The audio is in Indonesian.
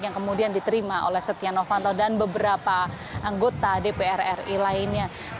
yang kemudian diterima oleh setia novanto dan beberapa anggota dpr ri lainnya